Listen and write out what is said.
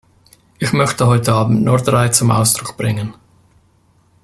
Ich möchte heute Abend nur drei zum Ausdruck bringen.